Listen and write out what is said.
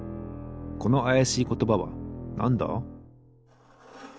このあやしいことばはなんだ？